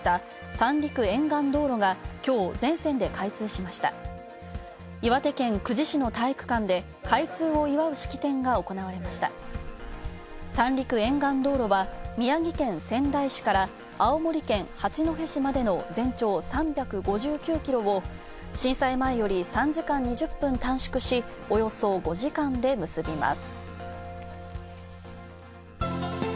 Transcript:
「三陸沿岸道路」は宮城県仙台市から青森県八戸市までの全長３５９キロを震災前より３時間２０分短縮し、およそ５時間で結びます。